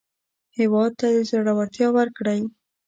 هېواد ته زړورتیا ورکړئ